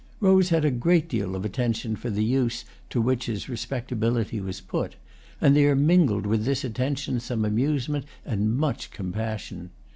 Rose had a great deal of attention for the use to which his respectability was put; and there mingled with this attention some amusement and much compassion.